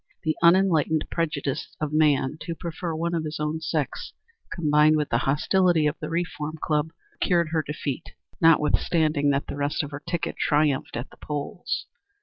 The unenlightened prejudice of man to prefer one of his own sex, combined with the hostility of the Reform Club, procured her defeat, notwithstanding that the rest of her ticket triumphed at the polls.